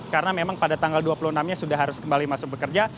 karena memang pada tanggal dua puluh enam nya sudah harus kembali masuk bekerja